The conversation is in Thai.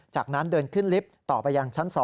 จากนั้นเดินขึ้นลิฟต์ต่อไปยังชั้น๒